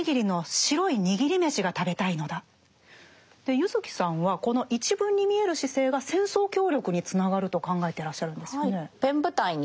柚木さんはこの一文に見える姿勢が戦争協力につながると考えてらっしゃるんですよね。